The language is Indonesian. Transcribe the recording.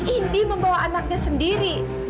indi membawa anaknya sendiri